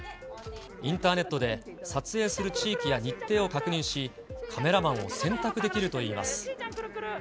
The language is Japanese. インターネットで撮影する地域や日程を確認し、カメラマンを選択できるといいます。